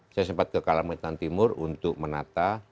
saya sempat ke kalimantan timur untuk menata